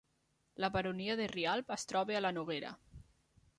La Baronia de Rialb es troba a la Noguera